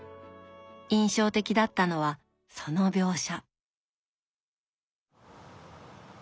印象的だったのはその描写。